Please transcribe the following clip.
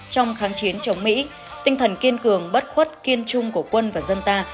trong kháng chiến chống mỹ tinh thần kiên cường bất khuất kiên trung của quân và dân ta